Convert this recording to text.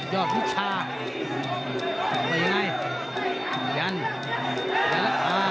ยอดวิชาถูกเป็นอย่างไร